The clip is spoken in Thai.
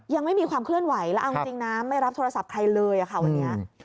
ยังไม่มีความเคลื่อนไหวแล้วเอาจริงนะไม่รับโทรศัพท์ใครเลยค่ะวันนี้